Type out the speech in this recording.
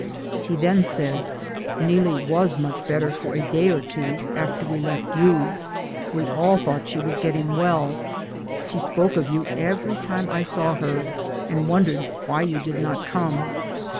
He then said, "Neelie was much better for a day or two after we left you ; we all thought she was getting well; she spoke of you every time I saw her, and wondered why you did not come.